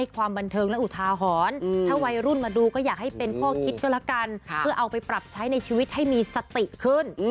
ก็ละกันค่ะเพื่อเอาไปปรับใช้ในชีวิตให้มีสติขึ้น